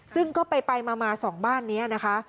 ซึ่งก็ไปมา๒บ้านนี้นะคะ